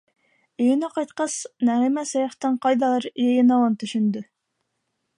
Өйөнә ҡайтҡас, Нәғимә Саяфтың ҡайҙалыр йыйыныуын төшөндө.